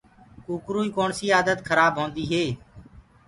ڪوڪروئي ڪوڻسي آدت خرآب هوندي هي